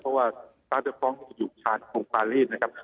เพราะว่าบรรยากาศดับฟ้องที่จะอยู่ชาติรุงฟาลีนะครับ